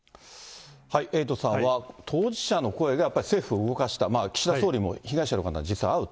エイトさんは、当事者の声がやっぱり政府を動かした、岸田総理も被害者の方に実